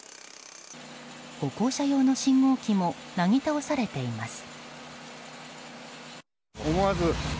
歩行者用の信号機もなぎ倒されています。